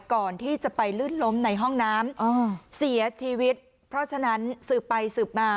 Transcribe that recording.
ก่อนที่จะไปลื่นล้มในห้องน้ำเสียชีวิตเพราะฉะนั้นสืบไปสืบมา